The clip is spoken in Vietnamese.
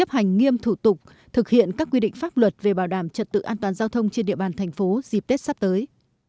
hành nghiêm thủ tục thực hiện các quy định pháp luật về bảo đảm trật tự an toàn giao thông trên địa bàn thành phố dịp tết sắp tới